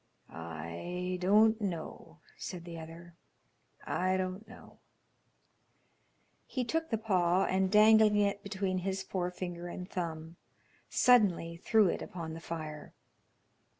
"I don't know," said the other. "I don't know." He took the paw, and dangling it between his forefinger and thumb, suddenly threw it upon the fire.